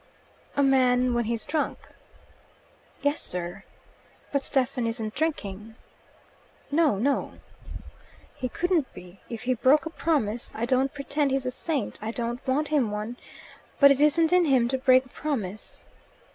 "A man when he's drunk?" "Yes, Sir." "But Stephen isn't drinking?" "No, no." "He couldn't be. If he broke a promise I don't pretend he's a saint. I don't want him one. But it isn't in him to break a promise."